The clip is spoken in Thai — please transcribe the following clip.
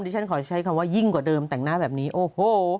ฉันขอใช้คำว่ายิ่งกว่าเดิมแต่งหน้าแบบนี้โอ้โห